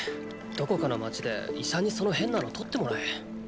どこかの街で医者にその変なのを取ってもらえ。え？